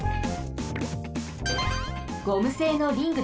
ゴムせいのリングです。